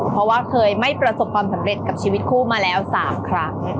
เพราะว่าเคยไม่ประสบความสำเร็จกับชีวิตคู่มาแล้ว๓ครั้ง